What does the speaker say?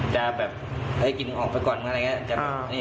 จะแบบให้กินออกไปก่อนอะไรอย่างนี้